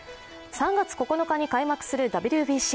３月９日に開幕するＷＢＣ。